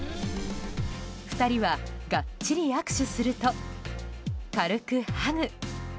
２人は、がっちり握手すると軽くハグ。